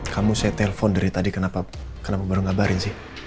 kamu saya telpon dari tadi kenapa baru ngabarin sih